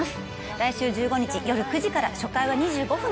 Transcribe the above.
来週１５日夜９時から初回は２５分拡大。